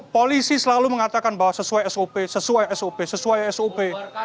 polisi selalu mengatakan bahwa sesuai sop sesuai sop sesuai sop